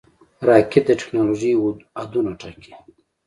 راکټ د ټېکنالوژۍ حدونه ټاکي